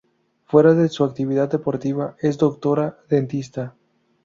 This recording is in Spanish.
Fuera de su actividad deportiva, es doctora dentista.